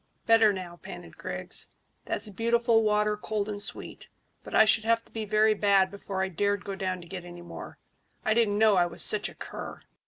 "Better now," panted Griggs. "That's beautiful water, cold and sweet; but I should have to be very bad before I dared go down to get any more. I didn't know I was such a cur."